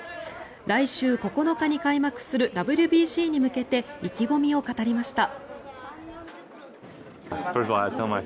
来週９日に開幕するＷＢＣに向けて意気込みを語りました。